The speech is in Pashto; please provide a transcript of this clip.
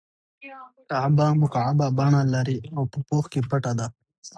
کعبه مکعب بڼه لري او په پوښ کې پټه ده.